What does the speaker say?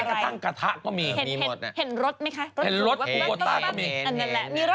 แม้กระทั่งกระทะก็มีมีหมดนะเห็นรถไหมคะเห็นรถรถถ่ายหน้าเลยค่ะ